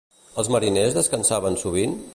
Els mariners descansaven sovint?